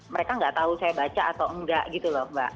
mereka nggak tahu saya baca atau enggak gitu loh mbak